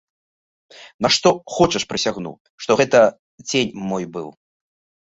На што хочаш прысягну, што гэта цень мой быў.